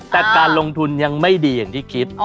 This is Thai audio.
แต่การลงทุนยังไม่ดีอย่างที่คิด